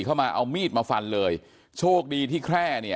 พันให้หมดตั้ง๓คนเลยพันให้หมดตั้ง๓คนเลย